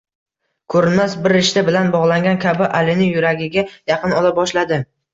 Ko`rinmas bir rishta bilan bog`langan kabi Alini yuragiga yaqin ola boshladi